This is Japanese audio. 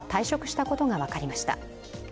監督は退職したことが分かりました。